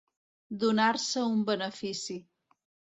Donar-se un benefici.